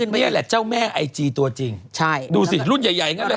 นางบอกนี่แหละเจ้าแม่ไอจีตัวจริงดูสิรุ่นใหญ่งั้นเลย